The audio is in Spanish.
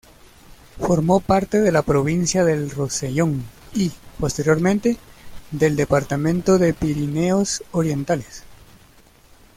Formó parte de la provincia del Rosellón y, posteriormente, del departamento de Pirineos Orientales.